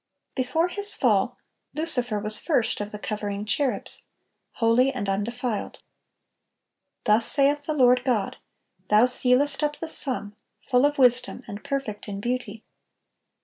Before his fall, Lucifer was first of the covering cherubs, holy and undefiled. "Thus saith the Lord God: Thou sealest up the sum, full of wisdom, and perfect in beauty.